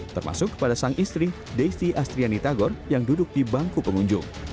termasuk kepada sang istri deisti astriani tagon yang duduk di bangku pengunjung